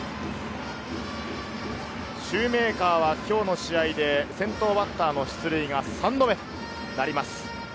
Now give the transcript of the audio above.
シューメーカーは今日の試合で先頭バッターの出塁が３度目となります。